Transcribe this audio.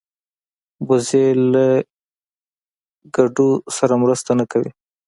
وزې له ګډو سره مرسته نه کوي